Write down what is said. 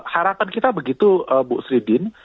harapan kita begitu bu sri din